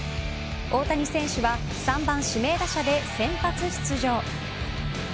大谷選手は３番指名打者で先発出場。